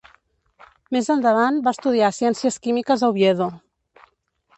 Més endavant va estudiar Ciències Químiques a Oviedo.